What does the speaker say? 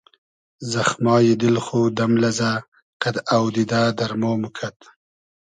زئخمای دیل خو دئم لئزۂ قئد اۆدیدۂ دئرمۉ کئدوم